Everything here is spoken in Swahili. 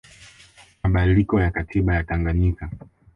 mabadiliko ya katiba ya Tanganyika